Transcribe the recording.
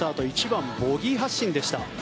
１番、ボギー発進でした。